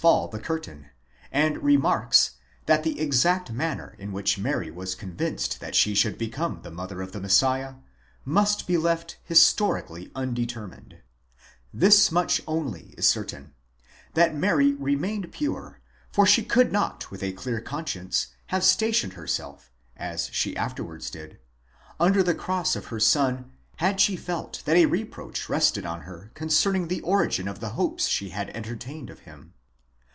13 fall the curtain, and remarks, that the exact manner in which Mary was con vinced that she should become the mother of the Messiah must be left histori cally undetermined ; thus much only is certain, that Mary remained pure, for she could not with a clear conscience have stationed herself, as she afterwards did, under the Cross of her Son, had she felt that a reproach rested on her concerning the origin of the hopes she had entertained of him.